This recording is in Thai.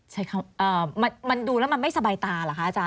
ใช่ครับมันดูแล้วมันไม่สบายตาเหรอคะอาจาร